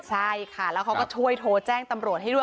ใช่ค่ะแล้วเขาก็ช่วยโทรแจ้งตำรวจให้ด้วย